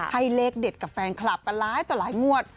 ให้เลขเด็ดกับแฟนคลับกันหลายต่อหลายงวด